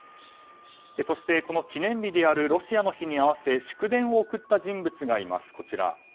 そして、この記念日であるロシアの日に合わせ祝電を送った人物がいます。